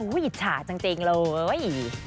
อุ๊ยอิจฉาจังจริงเลย